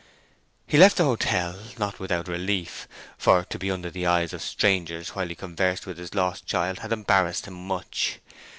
He left the hotel, not without relief, for to be under the eyes of strangers while he conversed with his lost child had embarrassed him much.